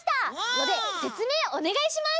のでせつめいおねがいします！